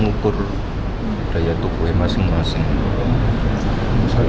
masuk dan membuat kue kaya ini dengan kain dan kain